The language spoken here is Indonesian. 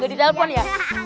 gak ditelepon ya